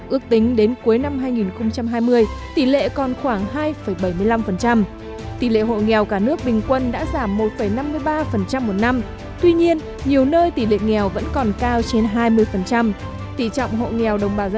ước tính đến cuối năm hai nghìn hai mươi tỷ lệ còn khoảng hai bảy mươi năm